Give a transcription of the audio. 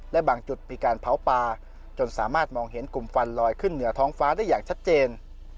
และบางจุดมีการเผาปลาจนสามารถมองเห็นกลุ่มฟันลอยขึ้นเหนือท้องฟ้าได้อย่างชัดเจน